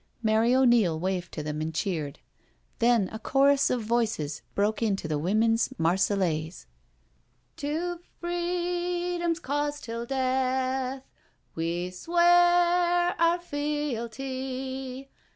Mary O'Neil waved to them and cheered. Then a chorus of voices broke into the Women's Marseillaise: *' To Freedom's cause till death We swear onr fealty.